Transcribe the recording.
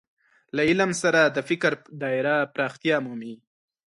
له علم سره د فکر دايره پراختیا مومي.